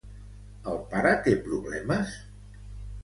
El pare té problemes?